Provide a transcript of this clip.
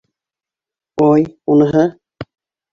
Ой, уныһы!